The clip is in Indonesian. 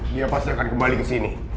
dia pasti akan kembali kesini